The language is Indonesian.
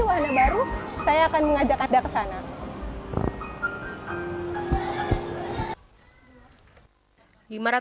wahana baru saya akan mengajak anda ke sana